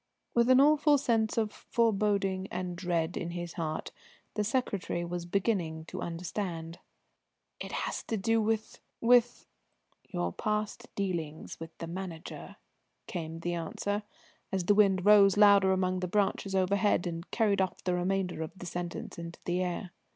With an awful sense of foreboding and dread in his heart, the secretary was beginning to understand. "It has to do with with ?" "Your past dealings with the Manager," came the answer, as the wind rose louder among the branches overhead and carried off the remainder of the sentence into the air.